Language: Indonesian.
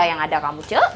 yang ada kamu cuy